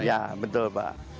iya betul pak